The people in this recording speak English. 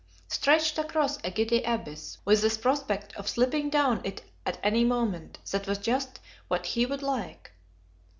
Stretched across a giddy abyss, with the prospect of slipping down it at any moment that was just what he would like.